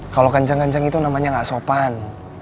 kalau kenceng kenceng itu namanya enggak sopan